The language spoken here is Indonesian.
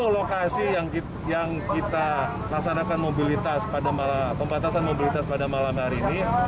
sepuluh lokasi yang kita nasadakan pembatasan mobilitas pada malam hari ini